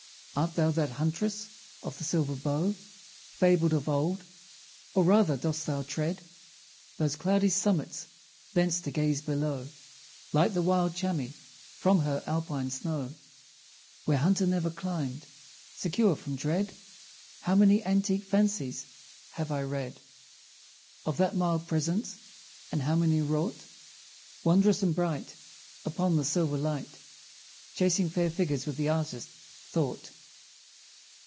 Art thou that huntress of the silver bow, Fabled of old? Or rather dost thou tread Those cloudy summits thence to gaze below, Like the wild Chamois from her Alpine snow, Where hunter never climb'd, secure from dread? How many antique fancies have I read Of that mild presence! and how many wrought! Wondrous and bright, Upon the silver light, Chasing fair figures with the artist, Thought!